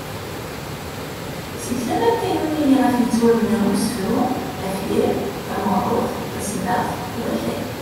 Seg tama n tayunin iɣef yettwabena usefru, afyir, tameɣrut ,taseddart ,d wakat.